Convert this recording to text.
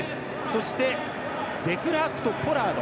そして、デクラークとポラード。